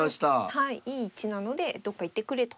はいいい位置なのでどっか行ってくれと。